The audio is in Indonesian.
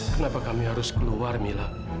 kenapa kami harus keluar mila